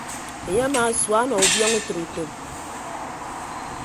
Enye amaasua ọnọ ubiọñ utịre utom.